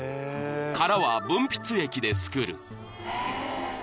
［殻は分泌液で作る］